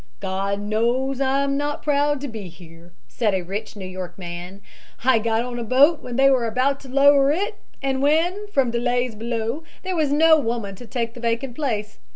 "God knows I'm not proud to be here," said a rich New York man. "I got on a boat when they were about to lower it and when, from delays below, there was no woman to take the vacant place.